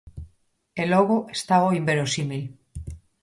E logo está o inverosímil.